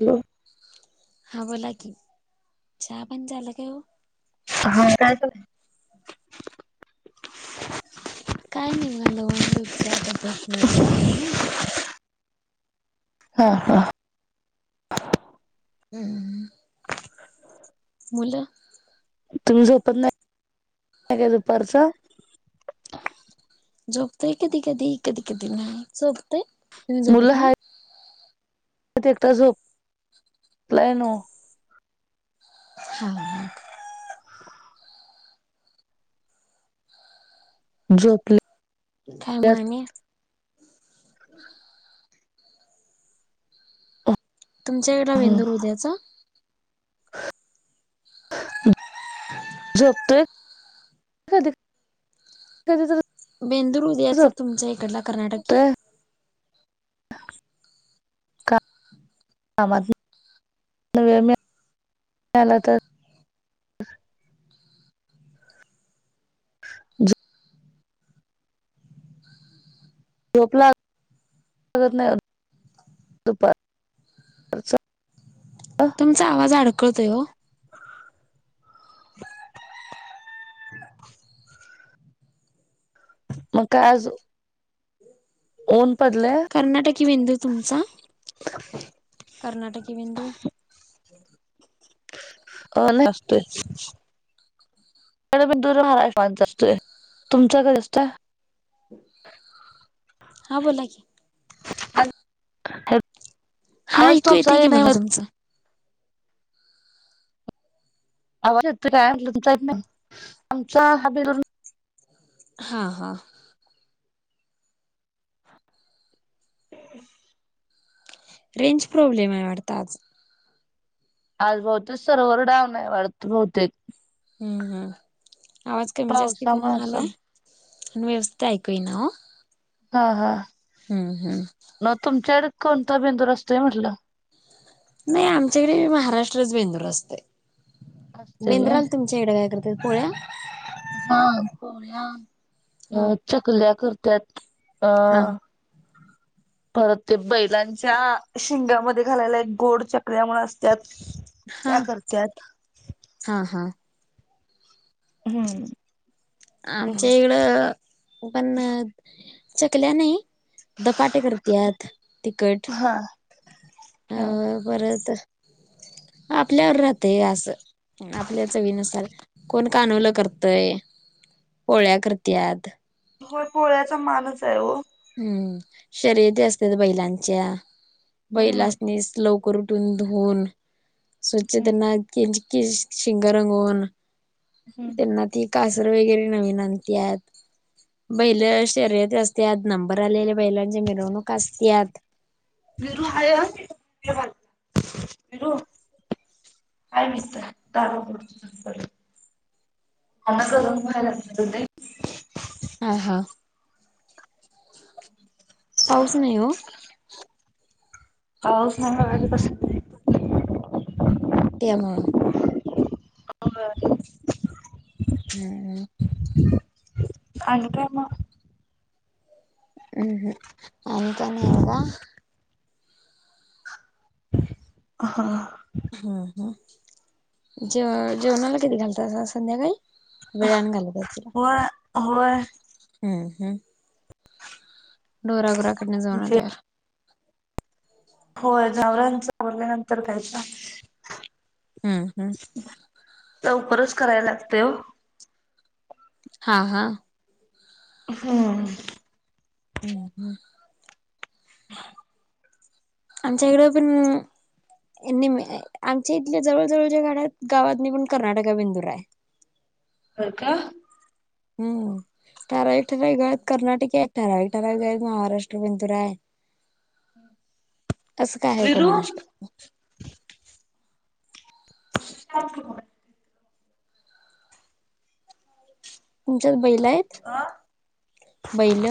Hello. हा बोला की चहा पाण झाला काय हो? हा काय चाललंय? काय नाही बघा लवाणलं होत सा तब्येत बरी नव्हती म्हणून. हा हा. हम्म. मुल तुम्ही झोपत नाही का दुपारच. झोपतोय कधी कधी. कधी कधी नाही. झोपतय, तुम्ही झोपत नाही. तो एकटा झोपलाय ना हो. [unintelligible] झोपले खाय माने तुमच्याकडला मेंदूर उद्याचा. झोपतोय कधी कधीतरी बेंदूर उद्याच तुमच्या इकडला कर्नाटकी. झोपतोय कामातन वेळ मिळाला तर झोप लागत नाही दुपारी. तुमचा आवाज अडकळतोय हो. [inaudible] मग काय आजु कोण कर्नाटकी बेंदूर तुमचा, कर्नाटकी बिंदू अ नाही असतोय. बेंदूर असतोय, तुमचा कधी असतोय? हा बोला की. हा आवाज ऐकू तुमचा येतय हे की नाही मला होत. तुमचं आवाज येतो काय म्हटल. तुमचा येत नाही. आमचा हब हा हा [inaudible] रेंज प्रॉब्लेम आहे वाटत आज. आज बहुतेक सर्वर डावुन आहे वाटत बहुतेक. हम्म हम्म आवाज कमी जास्ती पण पावसामुळे व्हालाय, असेल आणि व्यवस्थित ऐकू येईना हो. हा हा हम् मग तुमच्याकडे कोणता बेंदूर असतोय म्हटल? नाही आमच्याकडेही महाराष्ट्रच बेंदूर असतय. असतय व्हय बेंद्राल तुमच्या इकडे काय करतात पोळ्या? हा पोळ्या, हा चकल्या करतात अ हा परत ते बैलांच्या शिंगामध्ये घालायला एक गोड चकल्या माळा असत्यात. हा त्या करत्यात हा हा हम्म आमच्या इकड पण चकल्या नाही धपाटे करत्यात तिखट. हा अ हा परत आपल्यावर राहते अस, आपल्या चविनुसार. कोण कानवल करतय. पोळ्या करत्यात. होय पोळ्याचा मानच आहे हो. हम्म शर्यती असतात बैलांच्या. हम्म बैलासनी स्लोप उटून धुऊन स्वच्छ हम्म त्यांना कींज कींज शिंग रंगवून हम्म त्यांना ती कासर वगैरे नवीन आणत्यात. बैल शर्यती असत्यात. नंबर आलेल्या बैलांची मिरवणूक असत्यात. विरु आहे ह. विरू [unintelligible] [unintelligible] हा, हा पाऊस नाही ओ पाऊस नाही बघा की कस [unintelligible] त्यामुळ हो ग हम्म आणि काय म हम्म, हम्म आणि काय नाही बघा ह हम् हम जेव जेवणाला कधी घालतासा संध्याकाळी वेळान घालत होय, होय हम्, हम् डोरागोराकडन जाऊन जे आले होय जावरांचा आवरल्यानंतर कायच हम्म, हम् लवकरच कराय लागते ओ हा, हा हम्म हम्म, हम् [unintelligible] आमच्याकडे पण निम आमच्या इथल्या जवळ जवळच्या गाड्याात गावातनी पण कर्नाटका बेंदूर आहे होय का हम्म ठराविक, ठराविक गावात कर्नाटकी आहेत ठराविक, ठराविक आहेत महाराष्ट्र बेंदूर आहे असं काय आहे विरू अ कोणाष्टक [unintelligible] तुमच्यात बैल आहेत? बैल अह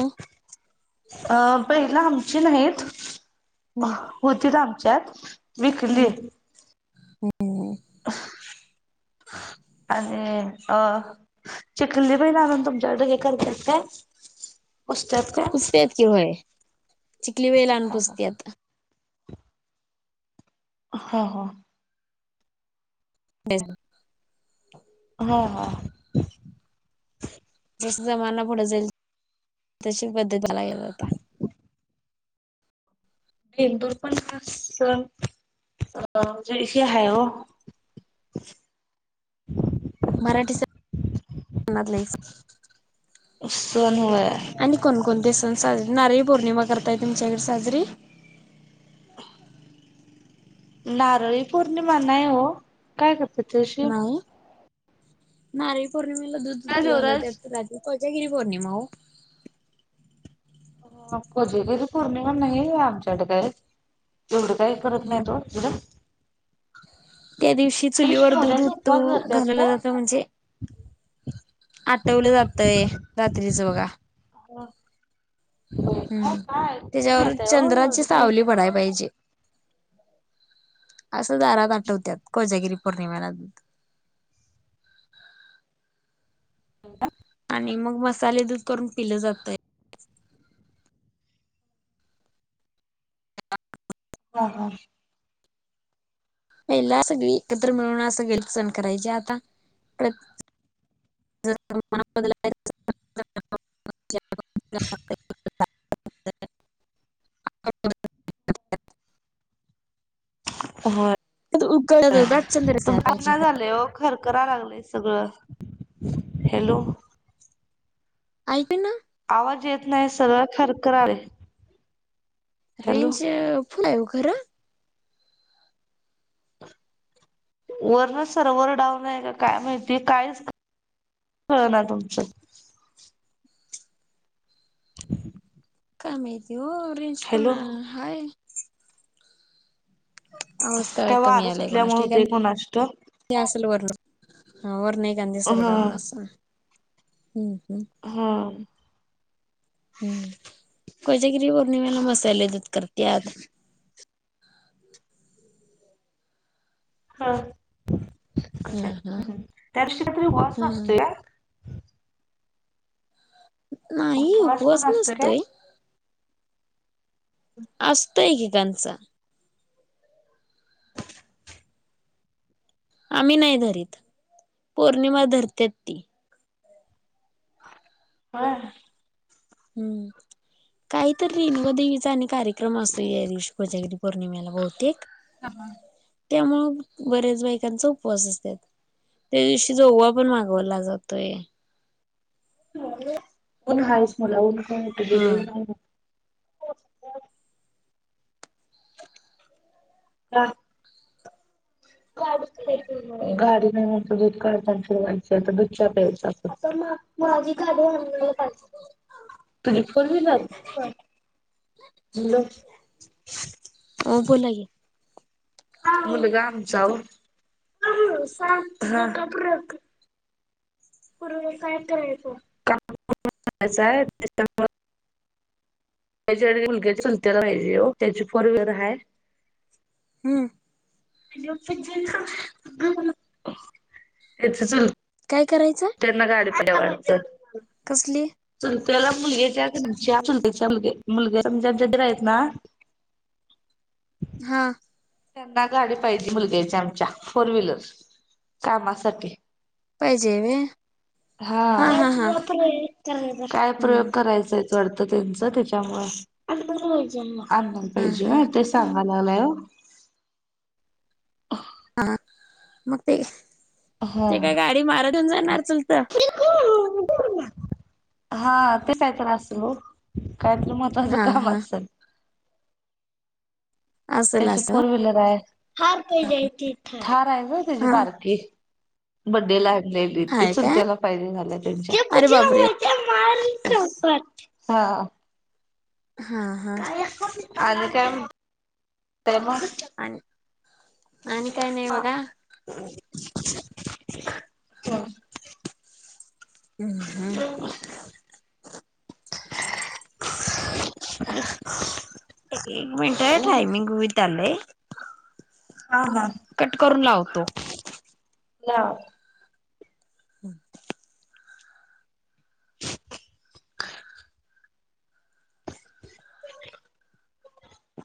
अ बैल आमची नाहीत हम्म होतीत आमच्यात विकली ह आणि अ चिखली बैल आणून तुमच्याकडे हे करत्यात काय पुजत्यात काय पुजत्यात की होय चिखली बैल आणून पुजत्यात ह, ह [unintelligible] ह हा जस जमाना पुढं जाईल तशी पद्धत [unintelligible] आता [unintelligible] बेंदूर पण खास अ म्हणजे हे आहे ओ [unintelligible] मराठी [unintelligible] सण होय आणि कोणकोणते सण साजरी नारळी पौर्णिमा करताय तुमच्याकडे साजरी नारळी पौर्णिमा नाही ओ काय करत तुष? नाही नारीळी पौर्णिमेला दूध काय तू आलो देवराज? त्यात राज [unintelligible] कोजगिरी पौर्णिमा ओ कोजागिरी पौर्णिमा नाही आमच्याकडं काय एवढं काही हे करत हम्म नाहीत ओ तिकडं? त्या दिवशी चुलीवर दूध नवऱ्याचा उतू उपवास धरत्यात घालवला काय? जातो म्हणजे आठवलं जातय रात्रीचं बघा हम्म काय ऐकून त्याच्यावर माहित आहे हो चंद्राची एवढं काय सावली पडायला पाहिजे. असं दारात आठवत्यात कोजागिरी पौर्णिमेला. ह आणि मग मसाले दूध करून पिलं जातं. हा हा पहिला सगळी एकत्र मिळून असं गल्लीत सण करायचे आता जर ब [unintelligible] ह [unintelligible] होय अ उकळ जात आणि चंद्र दिसायला पाहिजे खर खरा लागलंय सगळं हॅलो ऐक ना [unintelligible] आवाज येत नाही सगळं खरं करायला लागलंय. रेंज फुल आहे ओ खरं वर्ण सर्वर डाऊन आहे का काय माहिती काहीच कळना तुमचं काय माहिती ओ रेंज पण हॅलो हाय आवाज का काय कमी वारं यायला कोणास सुटल्यामुळे ठाऊक होतंय कुणास ठाऊक. ल वण ह वर्ण एक गांधी सर हं उडावणार अस् हम् [unintelligible] हम्म हम्म कोच्यागिरी पौर्णिमेला मसाले दूध करत्यात. हा हम हा [unintelligible] त्यादिवशी काय उपवास हा असतो या नाही पण उपवास असतोय काय? नसतोय. असतोय एकेकांचा आम्ही नाही धरीत पौर्णिमा धरते ती हा [unintelligible] हम्म काहीतरी रेणुका देवीचा आणि कार्यक्रम असतो या दिवशी कोजागिरी पौर्णिमेला बहुतेक त्यामुळे बऱ्याच बाईकांचा उपवास असतात त्या दिवशी जोगवा पण मागवला जातोय. ऊन हायस मुला ऊनठ हा बर [unintelligible] हा गाडी नाही म्हणत दूध काढतािरवाच तर दुधच्या प्यायचा अस [unintelligible] माझी खडे आण बिलुर मी बज [unintelligible] हॅलो हो बोला कि मुलगा आमचा ओ हा पूर्वे काय करायचं. [unintelligible] [unintelligible] त्याच्याकडे मुलग्याची सुलत्याला पाहिजे हो त्याची फोर व्हीलर आहे. हम्म. [unintelligible] काय करायचं? त्यांना गाडी पहिल्या वाढतं. कसली चुलत्याला मुलगी येत्या का नाय चुलत्याच्या मुलगी आहे मुलग्या समजा [unintelligible] आहेत ना हां. त्यांना गाडी पाहिजे मुलग्याच्या आमच्या फोर व्हीलर कामासाठी. पाहिजे वे. हा हा हा काय प्रयोग हम्म करायचाय? चा वाटतं त्यांच त्याच्यामुळे. [unintelligible] हा हा टांगा लागलाय हो. हा मग ते हा. ते काय गाडी मारा देऊन जाणार चुलतं. हा तेच आहे तर असं हो काय त्याला मत तुझं हा काम हा असेल. असेल त्याचे असं फोर व्हीलर आहे. थार आहे गं तीजी हा बारकी बड्डेला हाय लई दीप्ती हाय चल काय त्याला फायदे झाला त्यांचा. अरे बापरे हां. हा हा. आणि काय म्हणताय म? आणि आणि काय नाही बघा [unintelligible] उम्म हम्म. [unintelligible] एक एक मिनटं टायमिंग होवित आलंय. का हा तो ला हम्म.